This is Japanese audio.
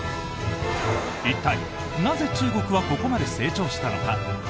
一体、なぜ中国はここまで成長したのか。